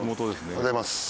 おはようございます。